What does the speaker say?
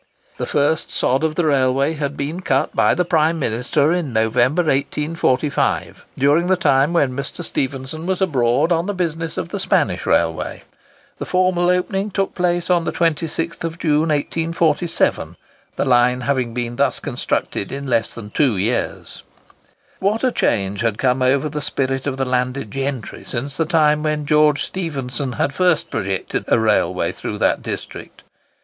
The first sod of the railway had been cut by the Prime Minister, in November, 1845, during the time when Mr. Stephenson was abroad on the business of the Spanish railway. The formal opening took place on the 26th June, 1847, the line having thus been constructed in less than two years. What a change had come over the spirit of the landed gentry since the time when George Stephenson had first projected a railway through that district!